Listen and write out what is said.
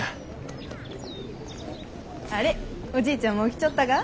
あれおじいちゃんも来ちょったが？